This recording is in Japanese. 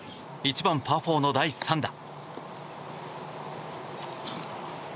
１番、パー４の第３打。